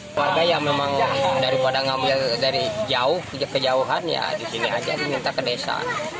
keluarga ya memang daripada ngambil dari jauh kejauhan ya di sini aja diminta ke desa